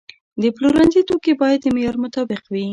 د پلورنځي توکي باید د معیار مطابق وي.